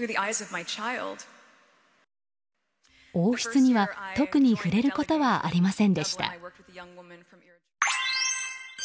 王室には特に触れることはありませんでした。